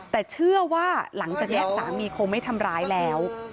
แต่เชื่อว่าหลังจากนี้สามีคงไม่ทำร้ายแล้ว